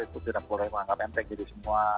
itu tidak boleh menganggap enteng jadi semua